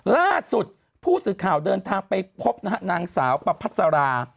ล่าสุดผู้สื่อข่าวเดินทางไปพบนะฮะนางสาวประพัสรา